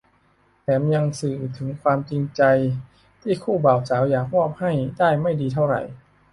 แถมยังสื่อถึงความจริงใจที่คู่บ่าวสาวอยากมอบให้ได้ไม่ดีเท่าไหร่